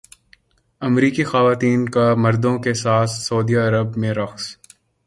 امریکی خواتین کا مردوں کے ساتھ سعودی عرب میں رقص